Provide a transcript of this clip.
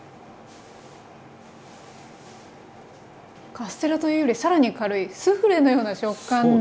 カステラというよりさらに軽いスフレのような食感で。